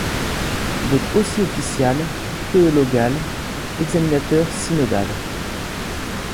Il est aussi official, théologal, examinateur synodal.